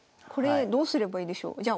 これどうすればいいでしょう？